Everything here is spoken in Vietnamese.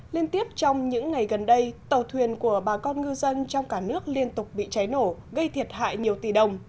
liên tiếp trong những ngày gần đây tàu thuyền của bà con ngư dân trong cả nước liên tục bị cháy nổ gây thiệt hại nhiều tỷ đồng